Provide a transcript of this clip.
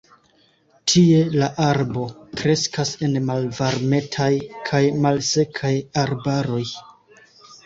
Tie la arbo kreskas en malvarmetaj kaj malsekaj arbaroj.